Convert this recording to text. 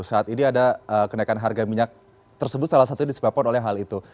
saat ini ada kenaikan harga minyak tersebut salah satunya disebabkan oleh hal itu